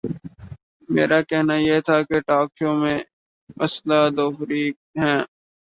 میرا کہنا یہ تھا کہ ٹاک شو میں اصلا دو فریق ہیں۔